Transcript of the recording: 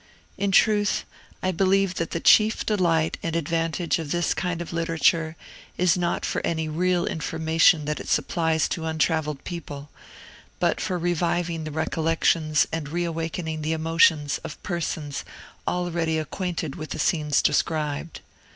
In truth, I believe that the chief delight and advantage of this kind of literature is not for any real information that it supplies to untravelled people, but for reviving the recollections and reawakening the emotions of persons already acquainted with the scenes described.